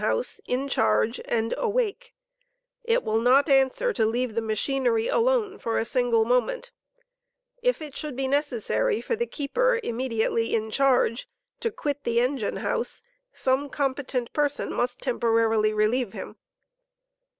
bofe°ft nflTer in charge, and awake* It will not answer to leave the machinery alone for a single moment If it should be necessary for the keeper immediately in charge to quit the engine house, somei competent person must temporarily relieve him.